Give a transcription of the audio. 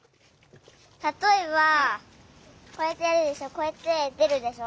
たとえばこうやってやるでしょこうやってでるでしょ？